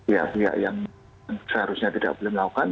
ya yang seharusnya tidak boleh melakukan